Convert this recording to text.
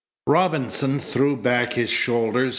Robinson threw back his shoulders.